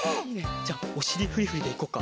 じゃおしりフリフリでいこっか。